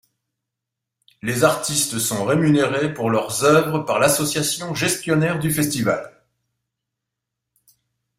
Les artistes sont rémunérés pour leurs œuvres par l'association gestionnaire du festival.